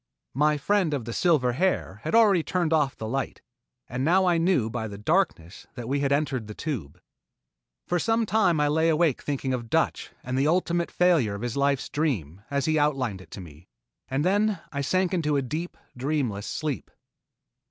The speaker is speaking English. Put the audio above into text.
My friend of the silver hair had already turned off the light, and now I knew by the darkness that we had entered the Tube. For some time I lay awake thinking of "Dutch" and the ultimate failure of his life's dream, as he had outlined it to me, and then I sank into a deep, dreamless sleep.